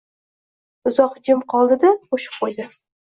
Uzoq jim qoldi-da, qo’shib qo’ydi.